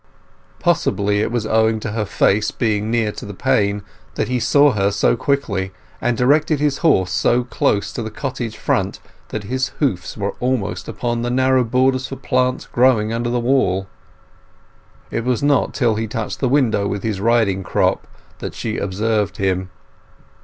Possibly it was owing to her face being near to the pane that he saw her so quickly, and directed his horse so close to the cottage front that his hoofs were almost upon the narrow border for plants growing under the wall. It was not till he touched the window with his riding crop that she observed him.